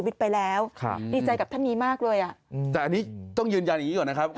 แต่อันนี้ต้องยืนยันอย่างนี้ก่อนนะครับ